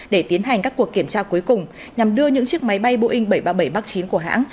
để tiến hành các cuộc kiểm tra cuối cùng nhằm đưa những chiếc máy bay boeing bảy trăm ba mươi bảy mark ix của hãng